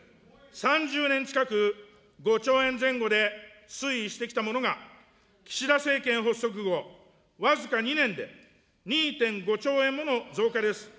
３０年近く、５兆円前後で推移してきたものが、岸田政権発足後僅か２年で、２．５兆円もの増加です。